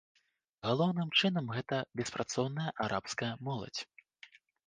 Галоўным чынам гэта беспрацоўная арабская моладзь.